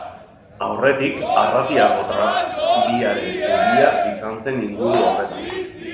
Aurretik, Arratiako tranbiaren zubia izan zen inguru horretan.